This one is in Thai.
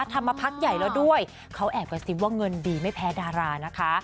ทำมาพักใหญ่แล้วด้วยเขาแอบกระซิบว่าเงินดีไม่แพ้ดารานะคะ